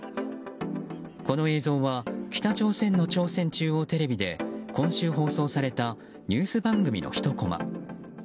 この映像は北朝鮮の朝鮮中央テレビで今週放送されたニュース番組のひとコマ。